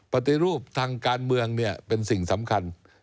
ปฏิรูปทางการเมืองเป็นสิ่งสำคัญ